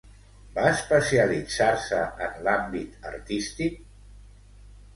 Va especialitzar-se en l'àmbit artístic?